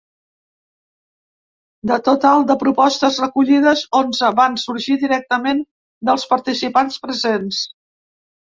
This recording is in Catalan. De total de propostes recollides, onze van sorgir directament dels participants presents.